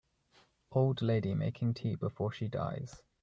Old lady making tea before she dies.